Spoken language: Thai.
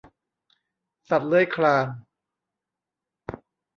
สัตว์เลื้อยคลาน